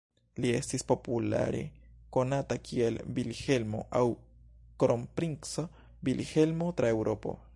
Li estis populare konata kiel Vilhelmo aŭ Kronprinco Vilhelmo tra Eŭropo.